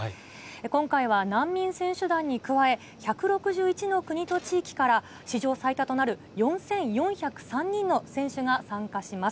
今回は難民選手団に加え、１６１の国と地域から史上最多となる４４０３人の選手が参加します。